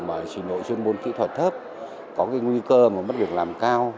mà chỉ nội dân môn kỹ thuật thấp có nguy cơ mà mất việc làm cao